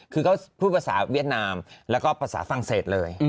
คือก็พูดภาษาเวียดนามแล้วก็ภาษาฝรั่งเศสเลย